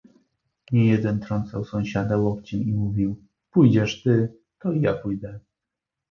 "Niejeden trącał sąsiada łokciem i mówił: „Pójdziesz ty, to i ja pójdę“."